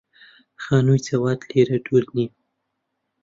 خانووی جەواد لێرە دوور نییە.